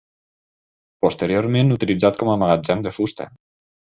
Posteriorment utilitzat com a magatzem de fusta.